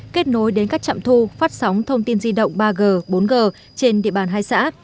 kết nối đến các trạm thu phát sóng thông tin di động ba g bốn g trên địa bàn hai xã